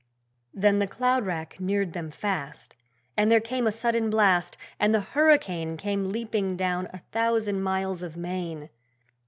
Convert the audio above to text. Then the cloud wrack neared them fast, And there came a sudden blast, And the hurricane came leaping down a thousand miles of main!